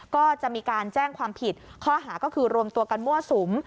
ก็จะมีการแจ้งความผิดข้อหาก็คือรวมตัวกันมั่วสุม